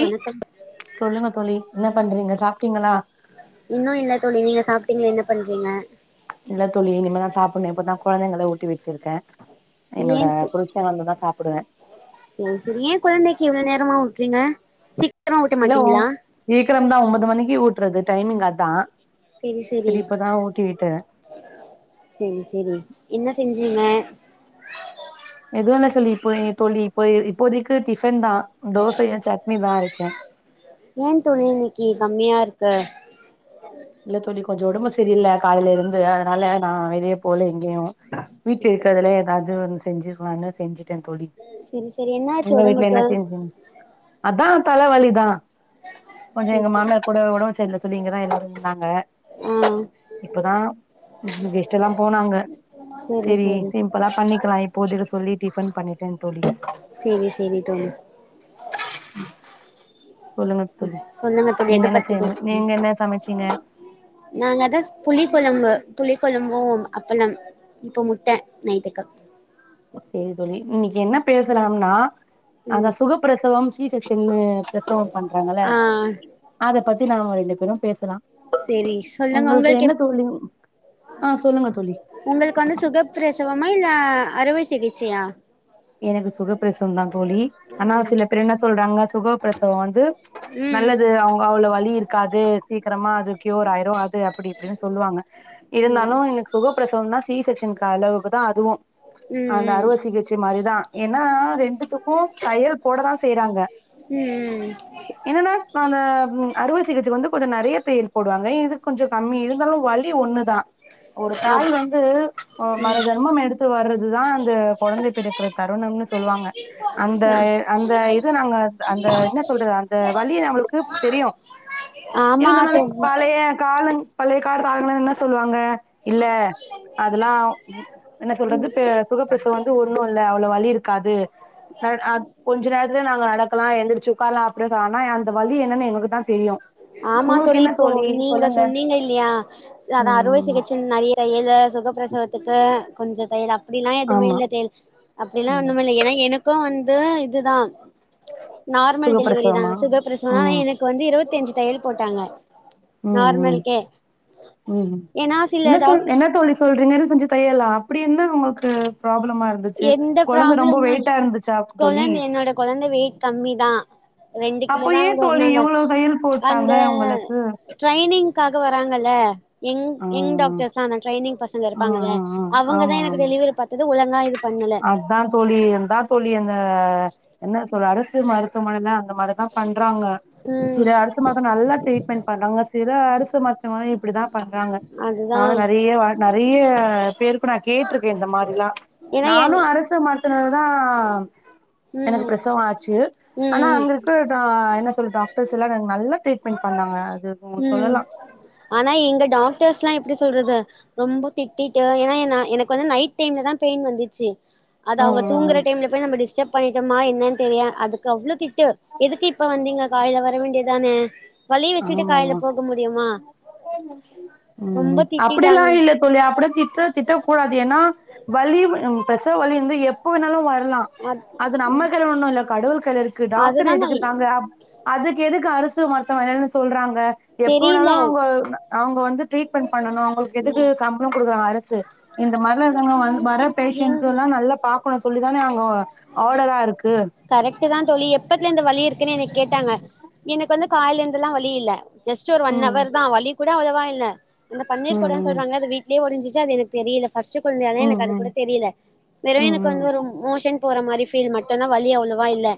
வணக்கம் சொல்லுங்க தோழி என்ன பண்றீங்க சாப்ட்டீங்களா இன்னு இல்ல தோழி நீங்க சாப்ட்டீங்களா என்ன பண்றீங்க இல்ல தோழி இனிமேதா சாப்டுனு இப்பதான் கொழந்தைங்கள ஊட்டி விட்ருக்கே என்னோட ஏன் புரு வந்துதான் சாப்புடுவே சேரி சேரி ஏன் கொழந்தைக்கி இவ்ளோ நேரமா ஊட்றீங்க சீக் இல்ல ஒ சீக்கிரம் தா ஒம்பது மணிக்கு ஊட்றது டைமிங் அதா சேரி சேரி சரி இப்பதா ஊட்டி விட்டே சேரி சேரி என்ன செஞ்சீங்க எதுவு இல்ல சொல்லி இப்போ தோழி இப்போ இப்போதைக்கு டிஃபன் தா தோசய சட்னி தா அரச்சே ஏன் தோழி இன்னிக்கு கம்மியா இருக்கு இல்ல தோழி கொஞ்ச உடம்பு சரியில்ல காலையிலருந்து அதனால நா வெளிய போல எங்கேயு வீட்ல இருக்கிறதுல ஏதாவது ஒன்னு செஞ்சுக்கலான்னு செஞ்சுட்டே தோழி சேரி சேரி என்ன ஆச்சு உங்க வீட்ல என்ன ஒடம்புக்கு செஞ்சீங்க அதா தலவலிதா கொஞ்சோ செரி எங்க செரி மாமனார் கூட ஒடம்பு சரி இல்ல சொல்லி இங்கதா இரு தாங்க ஆ இப்பதா [unintelligible] டுலா போனாங்க செரி சேரி செரி சிம் ப்ளா பண்ணிக்லா இப்போத் இத சொல்லி டிஃபன் பண்ணிட்டே தோழி சேரி சேரி தோழி உம் ம் சொல்லுங்க தோழி எத பத்தி செய்ய பேசனு நீங்க என்ன சமைச்சீங்க நாங்கதஸ் புளி கொழம்பு புளி கொழம்பு அப்பளம் இப்ப முட்ட நைட்டுக்கு செரி தோழி இன்னிக் என்ன பேசலானா அந்த ம் சுகப்பிரசவம் ஸீ ஸெக்ஷன்னு பிரசவம் பண்றாங்கள ஆ அத பத்தி நாம ரெண்டு பேரு பேசலா செரி சொல்லுங்க உங்கள்க்கு உங்களுக்கு என்ன எப் தோழி ஆ சொல்லுங்க தோழி உங்கள்க்கு வந்து சுகப்பிரசவமா இல்ல அறுவை சிகிச்சையா எனக்கு சுகப்பிரசவதா தோழி ஆனா சில பேர் என்ன சொல்றாங்க சுகப்பிரசவ து ம் நல்லது அவ்ங் பா அவ்ள வலி இருக்காது சீக்ரமா அது க்யூர் ஆய்ரு அது அப்டி இப்டின் சொல்லுவாங்க ம் இருந்தாலு உங்களுக்கு சுகப்பிரசவ தா சி செக்க்ஷன் அளவுக்கு தா அதுவு ம் அந்த ம் அறுவசிகிச்சை மாரிதா ஏன்னா ரெண்டுத்துக்கு தையல் போடதா செய்றாங்க ம் ம் என்னனா அந்த அறுவ சிகிச்சைக்கு வந்து கொஞ்சோ நெறய தையல் போடுவாங்க இதுக்கு கொஞ்சோ கம்மி இருந்தாலு வலி ஒன்னுதா ஒரு தாய் அப் வந்து மறு ஜென்மம் எடுத்து வர்றதுதா அந்த கொழந்தை பிறக்குற தருணம்னு சொல்லுவாங்க அந்த அந்த இது நாங்க அந்த என்ன சொல்றது அந்த வலி நம்மளுக்கு தெரியு ஆமா இருந்தாலு அந்த தோழி பழைய காலங் பழையக்காலத் ஆளுங்களா என்னா சொல்வாங்க இல்ல அதுல்லா ம் என்ன சொல்றது ம் பே சுகப்பிரசவ வந்து ஒர் ஒங்கு இல்ல அவ்ள வலி இருக்காது த அட் கொஞ்சோ நேரத்துலயே நாங்க நடக்கலா எந்திர்ச்சு உக்கார்லா அப்ற ஆனா அந்த வலி என்னன் எங்களுக்கு தா தெரியு ஆமா உங்களுக்கு தோழி என்ன இப்போ நீங்க சொல்லுங்க சொன்னீங்க இல்லயா அது அறுவை ம் சிகிச்சை கின் நறிய தயல்ல சுகப்பிரசவத்துக்கு கொஞ்சோ தயலா அப்டிலா எதுமே ஆமா இல்ல தேல் அப்டிலா ம் ஒன்னுமே இல்ல ஏன்னா எனக்கு வந்து இதுதா நார்மல் டெலிவரி தா சுகப்பிரசவமா சுகபிரசவோ ஆனா ம் எனக்கு வந்து இருவத்தஞ்சு தையல் போட்டாங்க ம் ம் நார்மலுக்கே ம் ஏன்னா என்ன சில சொல் டாக்டர் என்ன தோழி சொல்றீங்கன் சொஞ்சு தய்யலா அப்டி என்ன உங்கள்க்கு ப்ராப்ளமா இருந்துச்சு எந்த கொழந்த ரொம்ப ப்ராப்ளமா வெயிட்டா இருந்துச்சாக் தோழி கொழந்த என்னோட கொழந்த வெயிட் கம்மி தா ரெண்டு கிலோ அப்போ தா ஏ அவங்க தோழி இருந்தாங்க இவ்ளோ தையல் போட்டாங்க அந்த உங்களுக்கு ட்ரைனிங்க்காக வராங்கல்ல எங் ஆ இங் டாக்டர்ஸானா ட்ரைனிங் பசங்க இர் ஆ ஆ பாங்கள ஆ ஆமா அவங்கதா ஆமா எனக்கு டெலிவரி பாத்தது ஒழங்கா இது பண்ணல அதா தோழி எந்தா தோழி அந்த என்ன சொல்ல அரசு மருத்துவமனலா அந்த மா அதுதா பண்றாங்க ம் சில அரசு மட்டு நல்லா ட்ரீட்மெண்ட் பண்றாங்க சில அரசு மருத்து இந்த மாரி இப்டிதா பண்றாங்க அதுதா நானு நெறய நெறய பேருக்கு நா கேட்ருக்க இந்த மாரிலா ஏன்னா நானு என் அரசு மருத்துவமனைலதா எனக்கு ம் பிரசவ ஆச்சு ம் ஆனா ம் அங்கு குற டா என்ன சொல்ல டாக்டர்ஸ் எல்லா எனக்கு நல்லா ட்ரீட்மெண்ட் பண்ணாங்க அது ம் சொல்லலா ஆனா எங்க டாக்டர்ஸ்ல்லா எப்டி சொல்றது ரொம்ப திட்டிட்டு ஏன்னா என் நா எனக்கு வந்து நைட் டைம்ல தா பெயின் வந்துச்சி அது ம் அவங்க ம் தூங்கற ம் டைம்ல போய் நம்ம டிஸ்டப் பண்ணிட்டோமா என்ன தெரிய அதுக்கு அவ்ளோ திட் டு எதுக்கு இப்ப வந்தீங்க காலைல வர வேண்டியதான வலி வச்சுட்டு காலைல போக முடியுமா ரொம்ப அப்டி எல்லா திட்டிட்டாங்க இல்ல தோழி அப்றோ திட்ட திட்டக் கூடாது ஏன்னா வலி வ பிரசவ வலி வந்து எப்ப வேணாலு வர்லா அ அது நம்ம கையில ஒன்னு இல்ல கடவுள் கையில் இருக்கு டாக்டர் அதுதா நா எதுக்கு இருக்காங்க அதுக்கு எதுக்கு அரசு மருத்துவமனைனு சொல்றாங்க எப்ப தெரில வேனாலு அவுங்க அவேங்க வந்து ட்ரீட்மெண்ட் பண்ணனு அவுங்களுக்கு எதுக்கு சம் சம்பளம் குடுக்குறாங்க அரசு இந்த மாரில இருங்கவங்க வர எங் பேஷண்டலா நல்லா பாக்கனு சொல்லிதானே அவுங்க அர்டர்ரா இருக்கு கரெக்ட் தா தோழி எப்பத்துல இரு இந்த வலி இருக்குன்னு என்ன கேட்டாங்க எனக்கு வந்து காலைல இருந்துல்லா வலி இல்ல ஜெஸ்ட் ஒரு ஒன் ம் அவர் தா வலி கூட அவ்ளவா இல்ல அந்த பன்னீர் கூடோ ம் சொல்றாங்க அது வீட் வீட்லயே ஒடைசிச்சி அது எனக்கு தெரியல ஃபர்ஸ்ட் கொழந்த ம் எனக்கு அது ம் கூட தெரியல வெறு ம் ம் எனக்கு வந்து ஒரு மோஷன் போற மாரி ஃபீல் மட்டு தா வலி அவ்ளவா இல்ல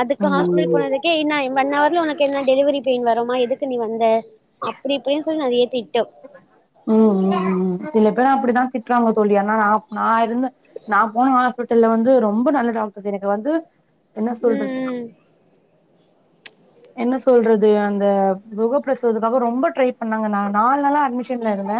அதுக்கு ம் ம் ஹாஸ்பிட்டால் ம் போனதுக்கே என்ன ஒன் அவர்ல உனக்கு என்ன டெலிவரி பெயின் வரமா எதுக்கு நீ வந்த அப்டி இப்டின்னு சொல்லி நெறைய திட்டு ம் ம் ம் ம் சில பேரு அப்டிதா திட்டுறாங்க தோழி ஆனா நா நா இருந்த நா போன ஹாஸ்பிட்டல்ல வந்து ரொம்ப நல்ல டாக்டர் எனக்கு வந்து என்ன சொல்றது ம் என்ன சொல்றது அந்த சுகப்பிரசவத்துக்காக ரொம்ப ட்ரை பண்ணாங்க நா நாலு நாளா அட்மிஷன்ல இருந்த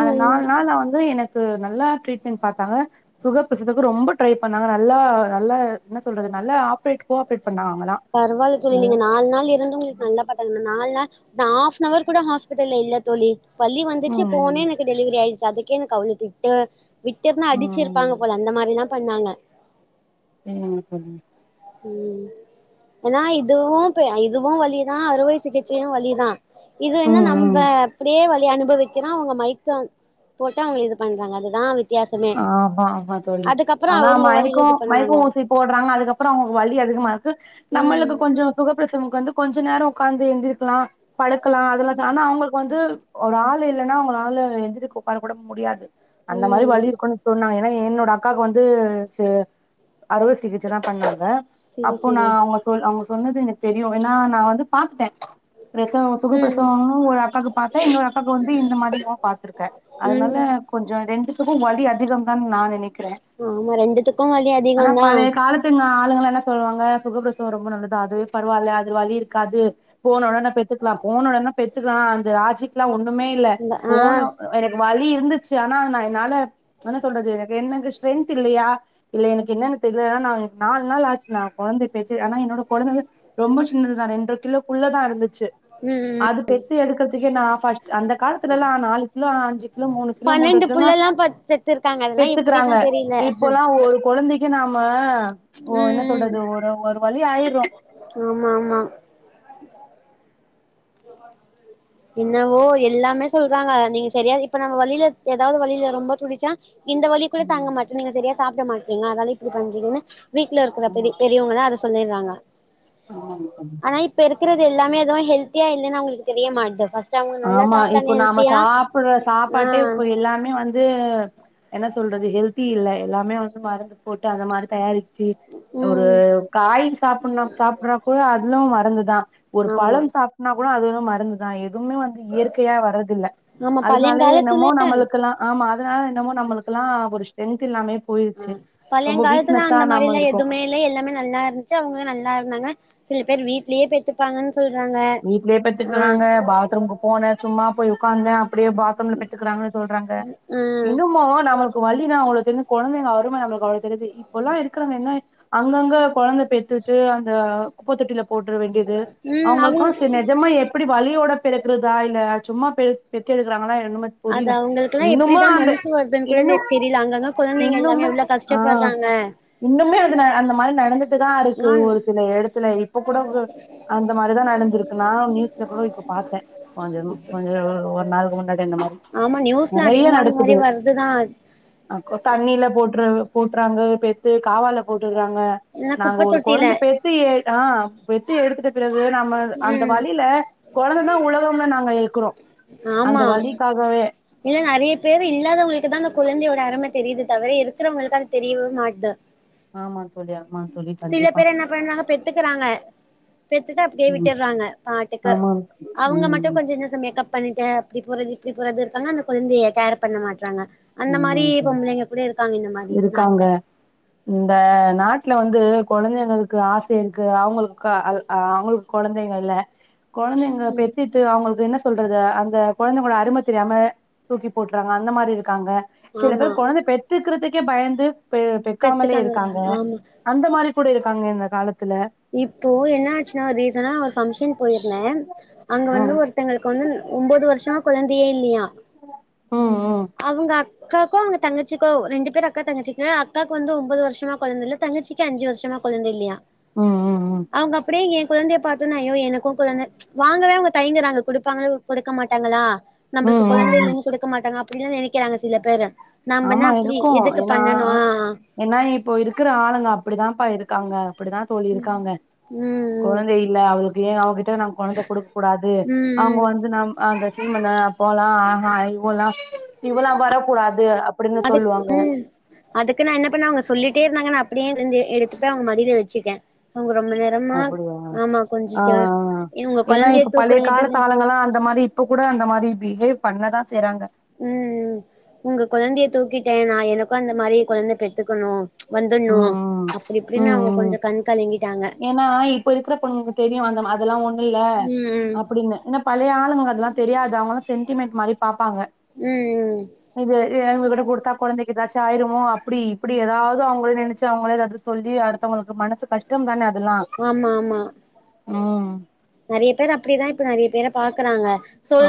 அந்த ம் நால் நாள்லா வந்து எனக்கு நல்லா ட்ரீட்மெண்ட் பாத்தாங்க சுக பிரசவத்துக்கு ரொம்ப ட்ரை பண்ணாங்க நல்லா நல்லா என்ன சொல்றது நல்லா ஆப்ரேட் கோ ஆப்ரேட் பண்ணாங்க அவங்கல்லா பரவால்ல தோழி நீங்க நாலு நாள் இருந்து உங்களுக்கு நல்லா பாத்தக்கலா நால் நாள் நா ஆஃப்னவர் கூடோ ஹாஸ்பிட்டல்ல இல்ல தோழி வலி வந்துச்சு ம் போனேன்னு டெலிவரி ஆயிடுச்சி அதுக்கே எனக்கு அவ்ளோ திட்டு விட்டிருந்த ம் அடிச்சிருப்பாங்க போல அந்த மாரிலா பண்ணாங்க வெக்கமா போனே ம் எனா இதுவு பே இதுவு வலிதா அறுவை சிகிச்சையு வலிதா இது என்ன ம் நம்ப ம் அப்டியே வலிய அனுபவிக் என்னா அவுங்க மைக்கம் போட்டு அவுங்க இது பண்றாங்க அதுதா வி ஆ ஆமா ஆமா தோழி ஆனா அவங்க மயக்கோ வலிய இது பண்ணுவாங்க மயக்க ஊசி போட்றாங்லா அதுக்கப்றோ அவுங்களுக் வலி அதிகமா இருக்கு நம்மளுக்கு ம் கொஞ்சோ சுகப்பிரசம்கு வந்து கொஞ்ச நேரம் ஒட்காந்து எந்திரிக்கலா படுக்கலா அதெல்லாம் தா ஆனா அவுங்களுக்கு இப்ப வந்து ஒரு ஆள் இல்லன்னா அவுங்கனால எந்திரக்க ஒட்கார கூட முடியாது அந்த மாரி ம் வலி இருக்கு சொன்னாங்க ஏன்னா என்னோட அக்காக்கு வந்து அறுவை சிகிச்சை தா பண்ணாங்க செரி அப்போ நா செரி அவுங்க சொன் அவுங்க சொன்னது எனக்கு தெரியு ஏன்னா நா வந்து பாத்துட்ட பிரசவோ சுக ம் பிரசவோ நானு ஒரு அக்காக்கு பாத்த இன்னொரு அக்காவுக்கு வந்து இந்த மாரி தா பாத்திருக்க அதனால ம் கொஞ்சோ ரெண்டுத்துக்கு வலி அதிகம் தான்னு நான் நெனைக்கிறே ஆமா ரெண்டுத்துக்கு வலி அதிகம் தா அப்றம் நம்ம ஆளுங்கல்லா என்ன சொல்லுவாங்க சுகபிரசவோ ரொம்ப நல்லது அதுவே பரவால்ல அது வலி இருக்காது போன ஒடனே பெத்துக்லா போன ஒடனே பெத்துக்லா அந்த ராஜிக் ஒன்னுமே இல்ல ஆ போனோ எனக்கு வலி இருந்துச்சி ஆனா நா என்னால என்ன சொல்றது என்னங்க ஸ்ட்ரென்த் இல்லையா இதுல எனக்கு என்னன்ன தெர்ல நா எனக்கு நால் நாள் ஆச்சு நா கொழந்த பெத்து ஆனா என்னோட கொழந்த வந்து ரொம்ப சின்னதுதா ரெண்ர கிலோக்கு குள்ளதா இருந்துச்சி ம் ம் அது பெத்து எடுக்கறதுக்கே நா ஃப்ர்ஸ்ட் அந்த காலத்துல எல்லா நாலு கிலோ அஞ்சு கிலோ மூணு கிலோ மூன்ற கிலோலா எல்லா பத் பெத்திருக்காங்க அதெல்லா எப்டிதா பெத்துக்கறாங்க தெரில இப்போல்லா ஒரு கொழந்தைக்கு நாம ஓ என்ன ம் சொல்றது ஒரு ஒரு வழி ஆயிட்ரோ ஆமா ஆமா [unintelligible] என்னவோ எல்லாமே சொல்றாங்க நீங்க செரியா இப்ப நம்ம வழியில ஏதாவது வழியில ரொம்ப துடிச்சா இந்த வலிக்குள்ள தாங்க ம் மாட்றிங்க நீங்க சரியா சாப்ட மாட்டறீங்க அதால இப்டி பண்றீங்கனு வீட்ல இருக்கற பெரி பெரியவங்கதா அத சொல்லிட்றாங்க ஆமா நீ பண்ணு அ இப்ப இருக்கிறது எல்லாமே எதுவு ஹெல்தியா இலன்னு அவுங்களுக்கு தெரிய மாட்து ஃபஸ் ஆமா இப்ப நாம சாப்பற ஆ சாப்பாட்டே இப்ப எல்லாமே வந் இது என்ன சொல்றது ஹெல்தி இல்ல எல்லாமே வந்து மருந்து போட்டு அந்த மாரி தயாரிச்சி ஒரு ம் காய் சாப்புனா சாப்ட்றா கூட அதுலு மறந்துதா ஒரு ஆமா பழம் சாப் நா கூட அதிகோ மருந்து தா எ எதுவுமே வந்து இயற்கையா வரதில்ல ஆமா அதனாலே பழையங்காலத்துல என்னமோ நம்மளுக்குல்லா ஆமா அதனால என்னமோ நம்மளுக்குல்லா ஒரு ஸ்ட்ரென்த் இல்லாமே ஆ போயிருச்சு ரொம்ப பழையங் காலத்துல வீக்னஸா அந்த நாம மாரிலா இருக்கோ எதுமே லே எல்லாமே நல்லா இருந்த்ச்சி அவுங்க நல்லா இருந்தாங்க சில பேர் வீட்லேயே பெத்துப்பாங்கன் சொல்றாங்க வீட்லயே ஆ பெத்துக்கிறாங்க பாத்ரூமுக்கு போனே சும்மா போய் உக்காந்தே அப்டியே பாத் ரூம்ல பெத்துக்கிறாங்க சொல்றாங்க ஆ இன்னமு நம்மளுக்கு வலினா அவுங்ளுக் தெரிஞ் கொழந்தைங்க அரும நம்மளுக்கு அவ்ளோ தெரிது இப்பல்லா இருக்கராங்க என்ன அங்கங்க கொழந்த பெத்துட்டு அந்த குப்ப தொட்டியில போட்ர வேண்டியது ம் அவுங்களுக் அவங்க செர் நெஜமா எப்டி வலியோட பெறக்குறதா இல்ல சும்மா பெ பெற்று எடுக்கறாங்களா என்னமோ அது அவுங்களுக்கெல்லா எப்டிதா மனசு வர்துன் கூட இன்னு தெ தெரியில அங்கங்க கொழந்தைங்க இல்லாமே இன்னுமே எவ்ளோ கஷ்டப் ஆ பறாங்க இன்னுமே அது ந அந்த மாரி நடந்துட்டுதா இருக்கு ஆ ஒரு சில எடத்துல இப் அப்ப கூட அந்த மாரிதா நடந் இருக்கு நா நியூஸ் பேப்பர்ல இப்ப பாத்தே கொஞ்சம் கொஞ்ச ஒரு நாளுக்கு முன்னாடி இந்த மாரி ஆமா நியூஸ்ல அதிகமா இந் மாரி வருதுதா அப்போ தண்ணியில போட்டுரு போட்றாங்க பெத்து காவால போட்டுறாங்க இல்லனா நாங்க குப்ப ஒரு தொட்டில கொழந்த பெத் து ஆ பெத்து எடுத்துட்ட பிறகு நம்ம அந்த ம் வலில கொழந்த தா உலகம்னு நாங்க இருக்குறோ ஆமா இல்ல நெறைய பேரு இல்லாதவங்களுக்கு தா அந்த குழந்தையோட அரும தெரியுது தவிர இருக்கிறவங்களுக்கு அது தெரியவே மாட்து ஆமா தோழி ஆமா தோழி கண்டிப்பா இப்ப நாங்க பெத் துக்கறாங்க பெத்துட்டு அப்டியே ம் விட்டுறாங்க பாட்டுக்கு ஆமா அவுங்க மட்டு ம் கொஞ்ச இந்த சே மேகப் பண்ட்டு அப்டி போறது இப்டி போறது இருக்காங்க அந்த கொழந்தைய கேர் பண்ண மாட்றாங்க அந்த ஆமா மாரி பொம்பளைங்க கூட இருக்கங்க இந்த மா இருக்காங்க இந்த நாட்ல வந்து கொழந்தைங்களுக்கு ஆச இருக்கு அவுங்களுக்கா அது ஆ அவங்களுக் கொழந்தைங்க இல்ல கொழந்தைங்க பெத்துட் டு அவுங்களுக்கு என்ன சொல்றது அந்த கொழந்தைங்களோட அரும தெரியாம தூக்கி போட்றாங்க அந்த மாரி இருக்காங்க சில ஆமா பேர் கொழந்த பெத்துக்கறதுக்கே பயந்து பெ பெக்காமலே பெத்துக்காம இருக்காங்க ஆமா அந்த மாரி கூட இருக்காங்க இந்த காலத்துல இப்போ என்ன ஆச்சினா ரீசனா ஒரு ஃபங்க்ஷன் போய்ருந்தே அங்க வந்து ம் ஒரு ஒருதங்களுக்கு வந்து ஒம்போது வருஷமா கொழந்தையே இல்லையா ம் ம் அவங்க அக்காக்கோ அவங்க தங்கச்சிக்கோ ரெண்டு பேரு அக்கா தங்கச்சிக்கு அக்காக்கு வந்து ஒம்பது வருஷமா கொழந்தல்ல தங்கச்சி க்கு அஞ்சு வருஷமா கொழந்த இல்லையா ம் ம் ம் அவங்க அப்படியே ஏ கொழந்தைய பாத்தோன்னா அயோ எனக்கு கொழந்த வாங்கவே அவங்க தயங்குறாங்க குடுப்பாங்களா குடுக்க மாட்டாங்களா ம் நம்மளுக்கு ம் ம் கொழந்தைல்லன்னு குடுக்க மாட்டாங்க அப்டில்லா நெனைக்கிறாங்க சில பேரு நம்மனா அப்படி எதுக்கு பண்ணனு என்னா இப்போ இருக்கிற ஆளுங்க அப்படிதாம்ப்பா இருக்காங்க அப்படிதா தோழியிருக்காங்க ம் ம் கொழந்தை இல்ல அவளுக்கு ஏ அவகிட்ட நம் கொழந்த குடுக்க கூடாது ம் அவங்க ம் வந்து நம் அங்க சீமந்தோ அப்போல்லா ஆ இவல்லா இவல்லா வரக்கூடாது அப்டின்னு அதுக் சொல்லுவாங்க ம் அதுக்கு நா என்ன பண்ணே அவங்க சொல்லிட்டே இருந்தாங்க அப்படியே இருந்து எடுத்துடு அவங்க மடியில வச்சுட்டே அவங்க ரொம்ப நேரோ அப்படியா ஆ ஆ உங்க ஏன்னா குழந்தைய இப்ப பழைய தூக்குன இதுல காலத்து ஆலுங்களா அந்த மாரி இப்ப கூட அந்த மாரி பிஹேவ் பண்ணதா செய்றாங்க ம் ம் உங்க கொழந்தைய தூக்கிட்டே நா எனக்கு அந்த மாரி கொழந்த பெத்துக்கணு வந்துட்ணு ம் அப்டி இப்டின்னு ம் அவங்க ம் கொஞ்சோ கண் கலங்கிட்டாங்க ஏன்னா இப்ப இருக்கிற பொண்ணுங்க தெரியு அந்த அதெல்லா ஒண்ணு இல்ல ம் அப்படின்னு என்னப் பழைய ஆளுங்க அதெல்லா தெரியாத அவங்கலா சென்டிமெண்ட் மாரி பாப்பாங்க ம் ம் இது இவங்க கிட்ட குடுத்தா கொழந்தைக்கு ஏதாச்சு ஆயிருமோ அப்டி இப்டி ஏதாவது அவங்க நெனச்சு அவங்களே அது சொல்லி அடுத்தவங்களுக்கு மனசு கஷ்டம் தானே அதெல்லா ஆமா ஆமா ம் நறிய பேர் அப்படிதா இப்ப நறிய பேர பாக்குறாங்க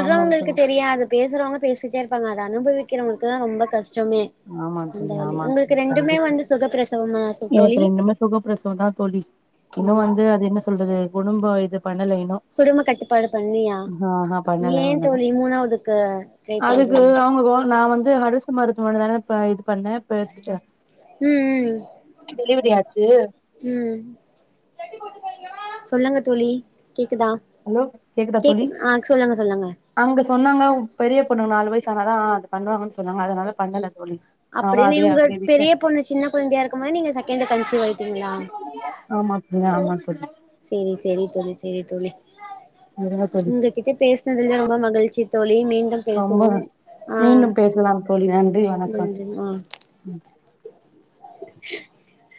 ஆமா தோழி தெரியாது பேசுறவங்க பேசிக்கிட்டே இருப்பாங்க அத அனுபவிக்கிறவங்களுக்குதா ரொம்ப கஷ்டமே ஆமா அந்த தோழி வலி ஆமா தோழி உங்களுக்கு ரெண்டுமே கண்டிப்பா வந்து சுகப்பிரசவமா சு எனக்கு தோழி ரெண்டுமே சுகப்பிரசவந்தா தோழி இன்னு ம் வந்து அது என்ன சொல்றது குடும்ப இது பண்ணல இன்னு குடும்ப கட்டுப்பாடு பண்ணியா ஆ பண்ணல ஏ பண்ணல தோழி மூணாவதுக்கு ட்ரை அதுக்கு பண்றீங்க அவங்க நா வந்து அரசு மருத்துவமனதான இப்ப இது பண்ணே பெரு ம் ஆச்சு ம் ம் சொல்லுங்க தோழி கேக்குதா ஹலோ கேக்குதா தோழி கேக்குது ஆ சொல்லுங்க சொல்லுங்க அங்க சொன்னாங்க உ பெரிய பொண்ணுக்கு நாலு வயசானாதா அது பண்ணுவாங்கன்னு சொன்னாங்க அதனால பண்ணல தோழி நானு அப்படினு அதே உங்க அப்டியே விட்டே பெரிய பொண்ண சின்ன கொழந்தையா இருக்கும் போது நீங்க செகண்ட கன்சீவ் ஆயிட்டீங்களா ஆமா பிரியா ஆமா தோழி சேரி சேரி தோழி சேரி தோழி விடுங்க தோழி கிட்ட பேசுனதுல்ல ரொம்ப மகிழ்ச்சி தோழி மீண்டும் ரொம்ப பேசுவோம் ஆ மீண்டும் பேசலாம் தோழி நன்றி வணக்கம் நன்றி ஆ [inaudible]